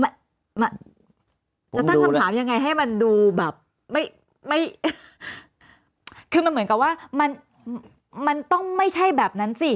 จะตั้งคำถามยังไงให้มันดูแบบไม่คือมันเหมือนกับว่ามันต้องไม่ใช่แบบนั้นสิ